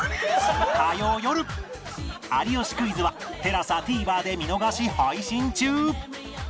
『有吉クイズ』は ＴＥＬＡＳＡＴＶｅｒ で見逃し配信中